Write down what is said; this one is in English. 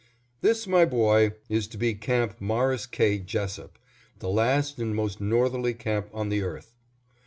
"This, my boy, is to be Camp Morris K. Jesup, the last and most northerly camp on the earth."